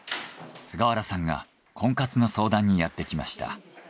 菅原さんが婚活の相談にやってきました。